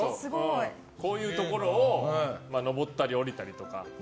こういうところを上ったり下りたりとか。